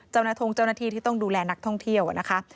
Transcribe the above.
เจ้าหน้าทรงเจ้าหน้าที่ที่ต้องดูแลนักท่องเที่ยวอ่ะนะคะ